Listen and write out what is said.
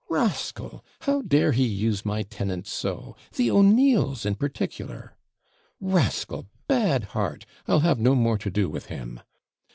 rascal! How dare he use my tenants so the O'Neills in particular! Rascal! bad heart! I'll have no more to do with him.'